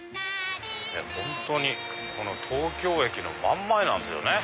本当に東京駅の真ん前なんですよね。